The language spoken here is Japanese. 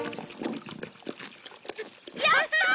やったー！